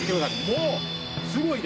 もうすごいです。